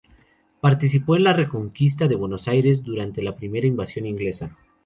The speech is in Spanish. Participó en la reconquista de Buenos Aires durante la primera invasión inglesa.